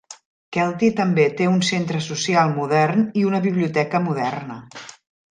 Kelty també té un centre social modern i una biblioteca moderna.